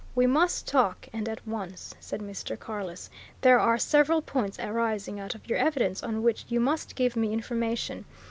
"We must talk and at once," said Mr. Carless. "There are several points arising out of your evidence on which you must give me information.